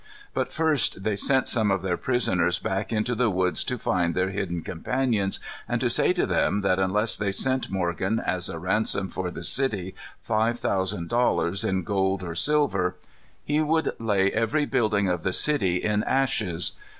But first they sent some of their prisoners back into the woods to find their hidden companions, and to say to them that unless they sent Morgan, as a ransom for the city, five thousand dollars, in gold or silver, he would lay every building of the city in ashes.